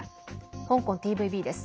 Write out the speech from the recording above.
香港ＴＶＢです。